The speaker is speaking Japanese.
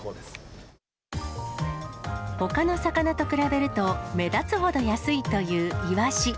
ほかの魚と比べると、目立つほど安いというイワシ。